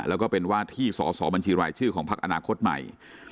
แล้วก็เป็นว่าที่สอสอบัญชีรายชื่อของพักอนาคตใหม่